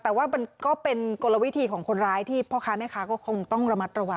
แต่ว่ามันก็เป็นกลวิธีของคนร้ายที่พ่อค้าแม่ค้าก็คงต้องระมัดระวัง